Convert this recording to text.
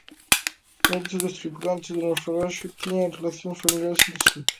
Moitos dos tripulantes do naufraxio tiñan relacións familiares entre si.